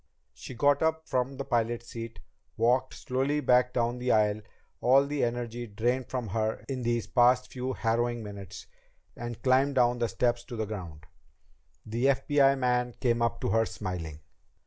She got up from the pilot's seat, walked slowly back down the aisle, all the energy drained from her in these past few harrowing minutes, and climbed down the step to the ground. The FBI man came up to her, smiling.